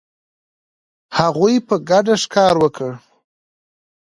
هغوی په ګډه ښکار وکړ.